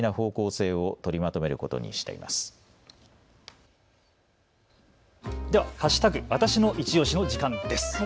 わたしのいちオシの時間です。